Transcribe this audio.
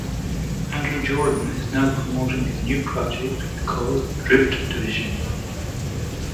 Andrew Jordan is now promoting his new project called "DriftDivision".